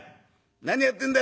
何やってんだ？